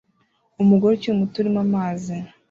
Umugore ukiri muto urimo amazi